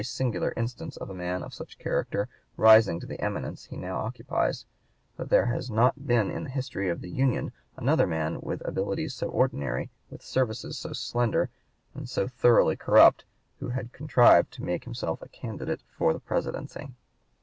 157) singular instance of a man of such character rising to the eminence he now occupies; that there has not been in the history of the Union another man with abilities so ordinary, with services so slender, and so thoroughly corrupt, who had contrived to make himself a candidate for the Presidency."